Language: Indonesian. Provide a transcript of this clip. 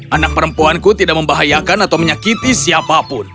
anak perempuanku tidak membahayakan atau menyakiti siapapun